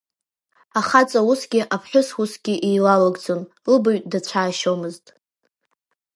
Ахаҵа усгьы, аԥҳәыс усгьы еилалыгӡон, лыбаҩ дацәаашьомызт.